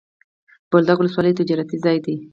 بولدک ولسوالي تجارتي ځای دی.